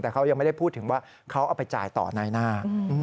แต่เขายังไม่ได้พูดถึงว่าเขาเอาไปจ่ายต่อนายหน้า